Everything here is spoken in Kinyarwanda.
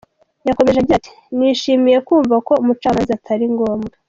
Yakomeje agira ati “ Nishimiye kumva ko umucamanza atari ngombwa.